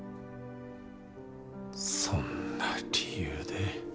そんな理由で。